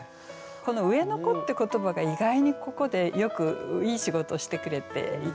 この「上の子」って言葉が意外にここでよくいい仕事してくれていて。